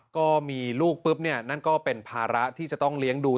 ก็มีลูกปุ๊บเนี่ยนั่นก็เป็นภาระที่จะต้องเลี้ยงดู